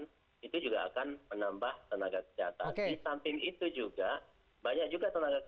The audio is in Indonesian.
di samping itu juga banyak juga tenaga kesehatan ini yang terpapar sehingga dia tidak melakukan tugas